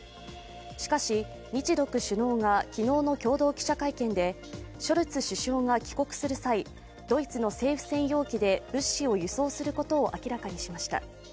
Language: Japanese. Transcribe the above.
しかし、日独首脳が昨日の共同記者会見でショルツ首相が帰国する際、ドイツの政府専用機で物資を輸送することを明らかにしました。